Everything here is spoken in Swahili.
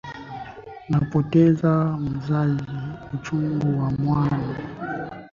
Napoteza mzazi, uchungu wa mwana.